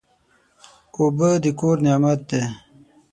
اوبه د کور نعمت دی.